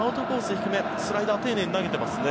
低めスライダーを丁寧に投げてますね。